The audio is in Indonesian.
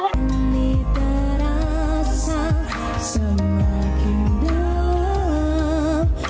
nanti terasa semakin dalam